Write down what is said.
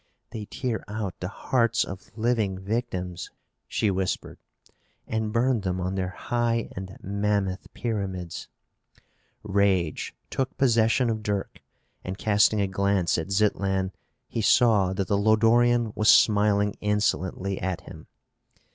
"They tear out the hearts of living victims," she whispered, "and burn them on their high and mammoth pyramids." Rage took possession of Dirk and, casting a glance at Zitlan, he saw that the Lodorian was smiling insolently at him.